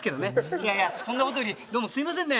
いやいやそんな事よりどうもすみませんね。